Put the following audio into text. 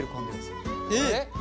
えっ！